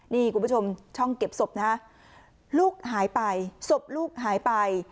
นี่คุณผู้ชมช่องเก็บสบลูกหายไปสบลูกหายไป